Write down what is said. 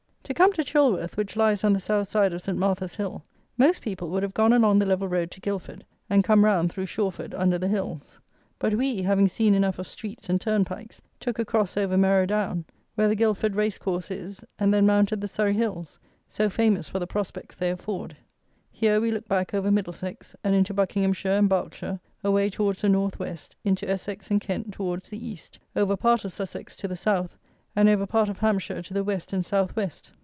To come to Chilworth, which lies on the south side of St. Martha's Hill, most people would have gone along the level road to Guildford and come round through Shawford under the hills; but we, having seen enough of streets and turnpikes, took across over Merrow Down, where the Guildford race course is, and then mounted the "Surrey Hills," so famous for the prospects they afford. Here we looked back over Middlesex, and into Buckinghamshire and Berkshire, away towards the North West, into Essex and Kent towards the East, over part of Sussex to the South, and over part of Hampshire to the West and South West.